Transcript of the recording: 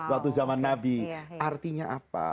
waktu zaman nabi artinya apa